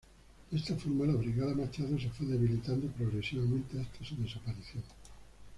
De esta forma, la Brigada Machado se fue debilitando progresivamente hasta su desaparición.